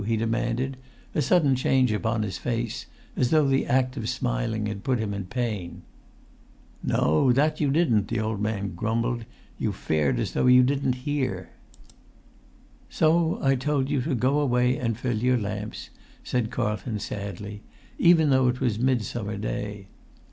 he demanded, a sudden change upon his face, as though the act of smiling had put him in pain. "No, that you didn't," the old man grumbled; "you fared as though you didn't hear." "So I told you to go away and fill your lamps," said Carlton, sadly, "even though it was Midsummer Day!